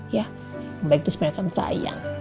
ya baik itu sebenarnya kan sayang